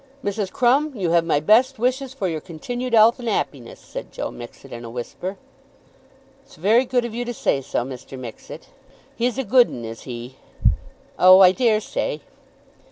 "Mrs. Crumb, you have my best wishes for your continued 'ealth and 'appiness," said Joe Mixet in a whisper. "It's very good of you to say so, Mr. Mixet." "He's a good 'un; is he." "Oh, I dare say."